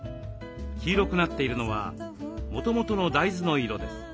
黄色くなっているのはもともとの大豆の色です。